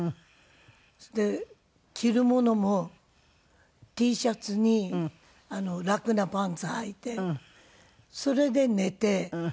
それで着るものもＴシャツに楽なパンツはいてそれで寝て起きて。